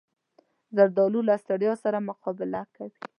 زردالو له ستړیا سره مقابله کوي.